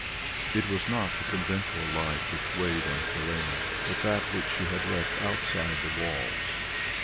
It was not the conventual life which weighed on Helene, but that which she had left outside the walls.